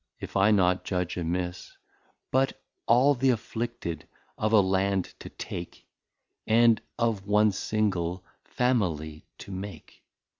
If I not judge amiss. But all th'Afflicted of a Land to take, And of one single Family to make?